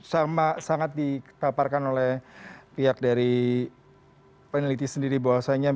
sama sangat ditaparkan oleh pihak dari peneliti sendiri bahwasanya